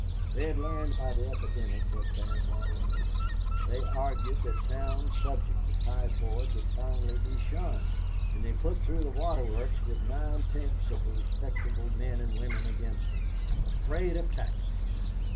They had learned by the epidemic what bad water meant. They argued that towns subject to typhoid would finally be shunned, and they put through the waterworks with nine tenths of the respectable men and women against them. Afraid of taxes!